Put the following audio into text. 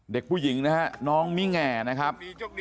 เด็กผู้หญิงนะฮะน้องมิแง่นะครับ